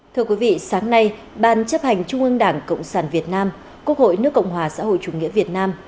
thưa quý vị sáng nay ban chấp hành trung ương đảng cộng sản việt nam quốc hội nước cộng hòa xã hội chủ nghĩa việt nam